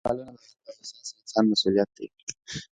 د ژبې پالنه د هر با احساسه انسان مسؤلیت دی.